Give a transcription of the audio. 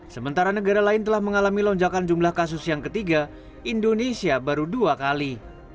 sementara negara lain telah mengalami lonjakan jumlah kasus yang ketiga indonesia baru dua kali